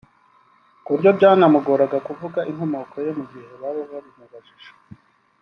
kuburyo byanamugoraga kuvuga inkomoko ye mu gihe baba bayimubajije